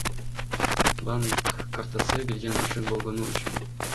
Банк картасы бирден ашык болгону үчүн.